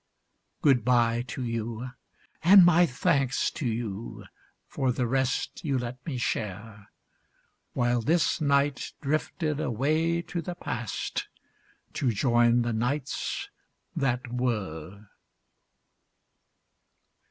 Good bye to you, and my thanks to you, for the rest you let me share, While this night drifted away to the Past, to join the Nights that Were.